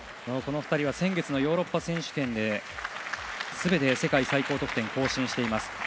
この２人は先月のヨーロッパ選手権ですべて世界最高得点を更新しています。